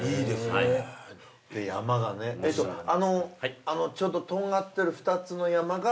あのちょうどとんがってる２つの山が？